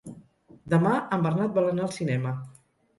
Demà en Bernat vol anar al cinema.